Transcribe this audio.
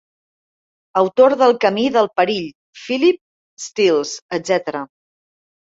Autor del camí del perill, Philip Steels, etc.